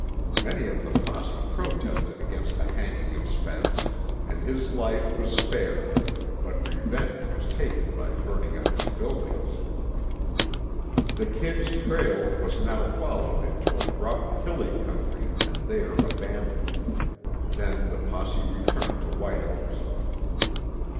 Many of the posse protested against the hanging of Spence, and his life was spared, but revenge was taken by burning up his buildings. The "Kid's" trail was now followed into a rough, hilly country and there abandoned. Then the posse returned to White Oaks.